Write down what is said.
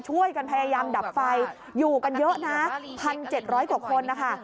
ช่วยกันพยายามดับไฟอยู่กันเยอะนะ๑๗๐๐กว่าคนนะคะ